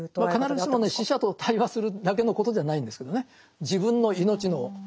必ずしもね死者と対話するだけのことじゃないんですけどね。